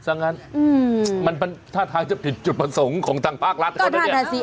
จากนั้นมันเป็นท่าท้ายจะผิดจุดประสงค์ของทางภาครัฐก็ได้เนี่ย